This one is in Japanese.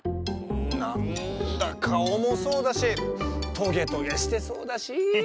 なんだかおもそうだしトゲトゲしてそうだし。